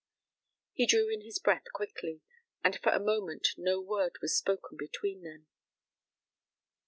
He drew in his breath quickly, and for a moment no word was spoken between them.